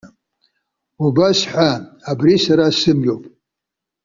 Убас ҳәа. Абри сара сымҩоуп.